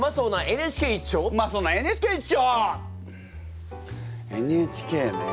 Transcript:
「ＮＨＫ」ね